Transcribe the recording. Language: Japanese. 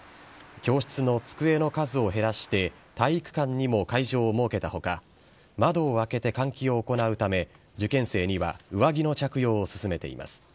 教室の机の数を減らして体育館にも会場を設けたほか、窓を開けて換気を行うため、受験生には上着の着用を勧めています。